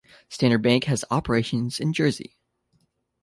Standard Bank has operations in Jersey.